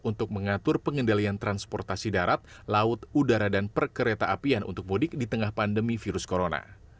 untuk mengatur pengendalian transportasi darat laut udara dan perkereta apian untuk mudik di tengah pandemi virus corona